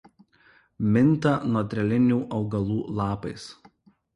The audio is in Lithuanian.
Minta notrelinių augalų lapais.